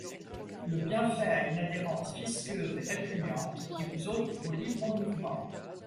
Le bienfait a une adhérence visqueuse et répugnante qui vous ôte vos libres mouvements.